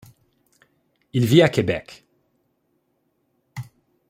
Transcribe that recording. Il vit à Québec.